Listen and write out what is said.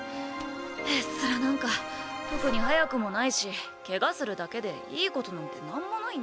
ヘッスラなんか特に速くもないしケガするだけでいいことなんて何もないんだから。